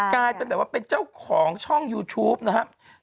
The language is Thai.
กลายเป็นแบบว่าเป็นเจ้าของช่องยูทูปนะครับ